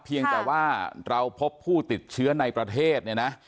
เพียงแต่ว่าเราพบผู้ติดเชื้อในประเทศเนี่ยนะ